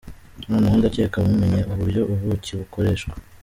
Noneho ndacyeka mumenye uburyo ubuki bukoreshwa.